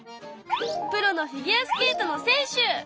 プロのフィギュアスケートの選手！